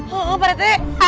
iya pak rt